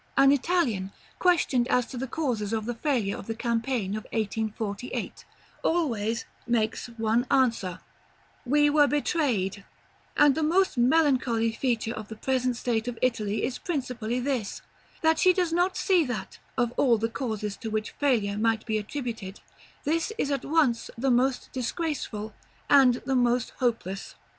An Italian, questioned as to the causes of the failure of the campaign of 1848, always makes one answer, "We were betrayed;" and the most melancholy feature of the present state of Italy is principally this, that she does not see that, of all causes to which failure might be attributed, this is at once the most disgraceful, and the most hopeless.